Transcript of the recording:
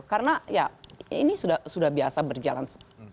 karena ya ini sudah biasa berjalan